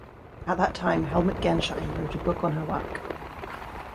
At that time Helmut Gernsheim wrote a book on her work.